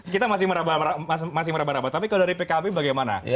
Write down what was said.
kita masih merabak rabak tapi kalau dari pkb bagaimana